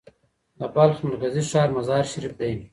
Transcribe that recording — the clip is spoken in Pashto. د بلخ مرکزي ښار مزار شریف دی.